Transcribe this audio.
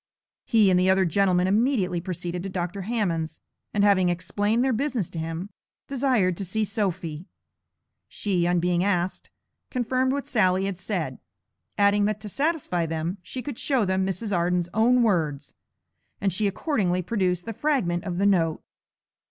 He and the other gentlemen immediately proceeded to Dr. Hammond's, and having explained their business to him, desired to see Sophy. She, on being asked, confirmed what Sally had said, adding that to satisfy them she could show them Mrs. Arden's own words, and she accordingly produced the fragment of the note.